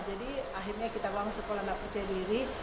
jadi akhirnya kita bangun sekolah anak percaya diri